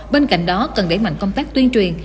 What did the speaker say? bên cạnh đó cần đẩy mạnh công tác tuyên truyền